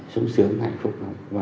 sống sướng hạnh phúc